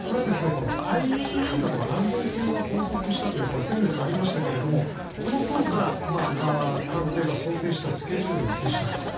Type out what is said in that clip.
ＩＡＥＡが安全性を報告したということが先月ありましたけどこのころから官邸が想定したスケジュールでした。